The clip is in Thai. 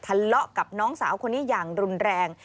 ทะเลาะกับน้องสาวคนนี้อย่างรุนแรง